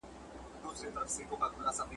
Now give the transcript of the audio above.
ورته یاد سي خپل اوږده لوی سفرونه !.